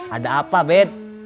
ada apa bet